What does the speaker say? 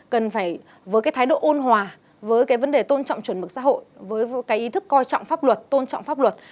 cần phải với cái thái độ ôn hòa với cái vấn đề tôn trọng chuẩn mực xã hội với cái ý thức coi trọng pháp luật tôn trọng pháp luật